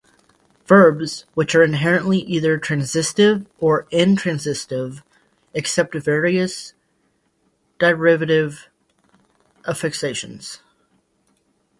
Verbs, which are inherently either transitive or intransitive, accept various derivational affixes.